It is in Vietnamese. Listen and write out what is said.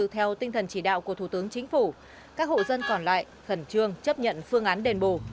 theo tinh thần chỉ đạo của thủ tướng chính phủ các hộ dân còn lại khẩn trương chấp nhận phương án đền bù